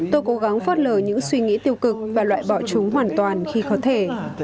tôi cố gắng phớt lờ những suy nghĩ tiêu cực và loại bỏ chúng hoàn toàn khi có thể